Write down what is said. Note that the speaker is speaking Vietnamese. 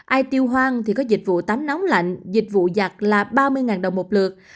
i tiêu hoang thì có dịch vụ tắm nóng lạnh dịch vụ giặt là ba mươi đồng một lượt